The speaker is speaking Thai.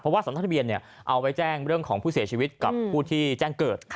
เพราะว่าสำนักทะเบียนเอาไว้แจ้งเรื่องของผู้เสียชีวิตกับผู้ที่แจ้งเกิด